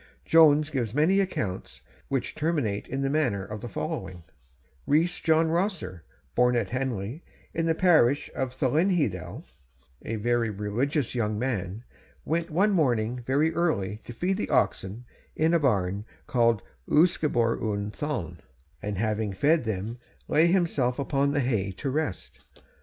Jones gives many accounts which terminate in the manner of the following: Rees John Rosser, born at Hendy, in the parish of Llanhiddel, 'a very religious young man,' went one morning very early to feed the oxen in a barn called Ysgubor y Llan, and having fed them lay himself upon the hay to rest.